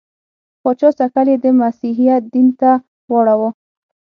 پاچا سکل یې د مسیحیت دین ته واړاوه.